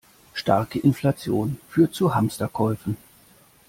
Starke Inflation führt zu Hamsterkäufen.